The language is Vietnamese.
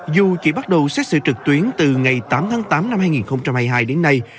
dù chỉ bắt đầu xét xử trực tuyến từ ngày tám tháng tám năm hai nghìn hai mươi hai đến nay